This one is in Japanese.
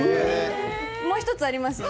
もう１つありますよ。